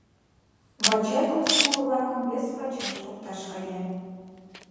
Вачай комсомол-влакым вес пачаш покташ каен.